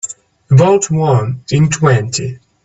About one in twenty.